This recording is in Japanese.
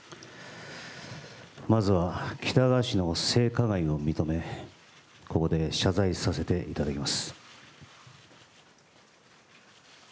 まずは喜多川氏の性加害を認め、ここで謝罪させていただきます。